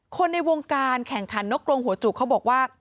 ในวงการแข่งขันนกกรงหัวจุกเขาบอกว่า